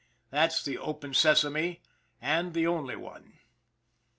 That's the " open sesame " and the only one.